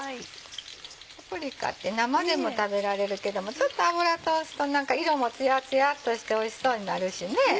パプリカって生でも食べられるけどもちょっと油通すと色もツヤツヤっとしておいしそうになるしね。